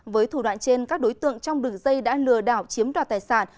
với thủ đoạn trên các đối tượng trong đường dây đã lừa đảo chiếm đoạt tài sản